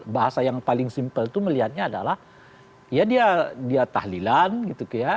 bahasa yang paling simpel itu melihatnya adalah ya dia tahlilan gitu ya